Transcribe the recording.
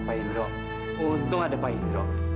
pak indro untung ada pak indro